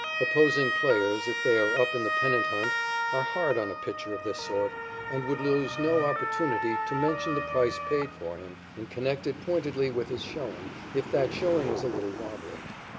Opposing players, if they are up in the pennant hunt, are hard on a pitcher of this sort and would lose no opportunity to mention the price paid for him and connect it pointedly with his showing, if that showing was a little wobbly.